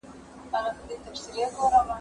بوټونه پاک کړه؟!